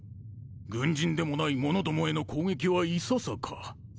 軍人でもない者どもへの攻撃はいささか。